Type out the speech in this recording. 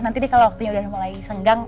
nanti deh kalau waktunya udah mulai senggang